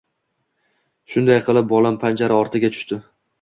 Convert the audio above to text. Shunday qilib, bolam panjara ortiga tushdi